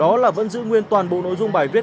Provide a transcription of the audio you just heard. đó là vẫn giữ nguyên toàn bộ nội dung bài viết